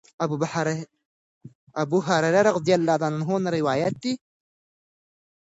د ابوهريره رضی الله عنه نه روايت دی